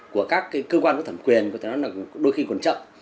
của các cơ quan có thẩm quyền có thể đôi khi còn chậm